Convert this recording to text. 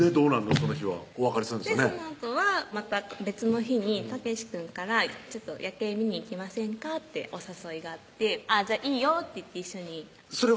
その日はそのあとはまた別の日に健くんから「夜景見に行きませんか？」ってお誘いがあって「じゃあいいよ」って言って一緒にそれは？